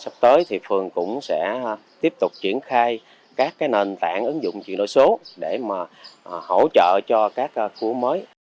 sắp tới thì phương cũng sẽ tiếp tục triển khai các nền tảng ứng dụng chỉ nội số để mà hỗ trợ cho các khu mới